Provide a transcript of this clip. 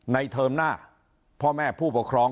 เทอมหน้าพ่อแม่ผู้ปกครอง